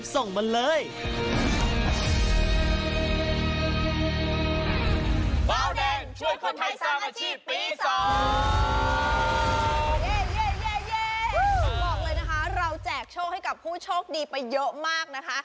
บอกเลยนะคะเราแจกโชคให้กับผู้โชคดีไปเยอะมากนะคะ